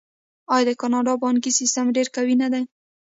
آیا د کاناډا بانکي سیستم ډیر قوي نه دی؟